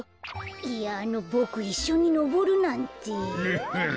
いやあのボクいっしょにのぼるなんて。おっほん。